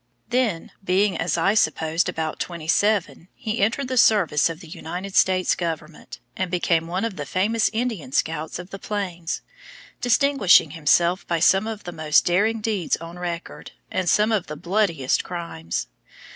Then, being as I suppose about twenty seven, he entered the service of the United States Government, and became one of the famous Indian scouts of the Plains, distinguishing himself by some of the most daring deeds on record, and some of the bloodiest crimes.